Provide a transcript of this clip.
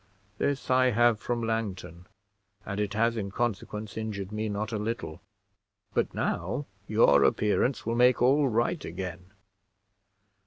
This I have from Langton; and it has in consequence injured me not a little: but now your appearance will make all right again.